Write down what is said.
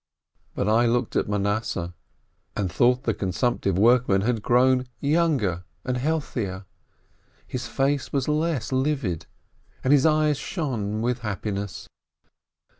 But I looked at Manasseh, and thought the con sumptive workman had grown younger and healthier. His face was less livid, and his eyes shone with happi ness.